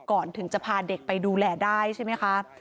ก่อนถึงจะพาเด็กไปดูแลได้ใช่ไหมคะ